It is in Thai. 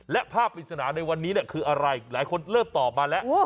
และภาพปริศนาในวันนี้คืออะไรหลายคนเริ่มตอบมาแล้ว